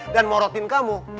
dan morotin kamu